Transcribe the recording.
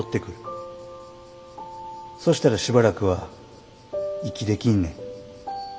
そしたらしばらくは息できんねん。